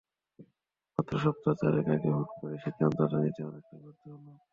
মাত্র সপ্তাহ চারেক আগে হুট করেই সিদ্ধান্তটা নিতে অনেকটা বাধ্য হলাম।